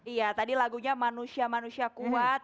iya tadi lagunya manusia manusia kuat